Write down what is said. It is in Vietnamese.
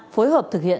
phối hợp thực hiện